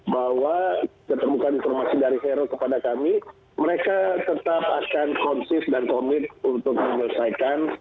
bahwa keterbukaan informasi dari hero kepada kami mereka tetap akan konsis dan komit untuk menyelesaikan